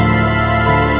ayo ibu terus ibu